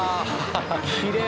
きれい！